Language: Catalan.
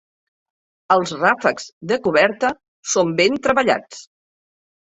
Els ràfecs de coberta són ben treballats.